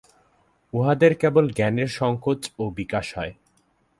উহাদের কেবল জ্ঞানের সঙ্কোচ ও বিকাশ হয়।